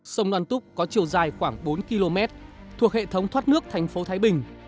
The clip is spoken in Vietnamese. sông đoan túc có chiều dài khoảng bốn km thuộc hệ thống thoát nước thành phố thái bình